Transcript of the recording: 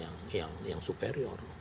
angkatan perang yang superior